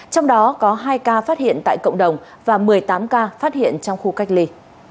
trong đó có hai ca phát hiện tại cộng đồng và một mươi tám ca phát hiện trong khu cách ly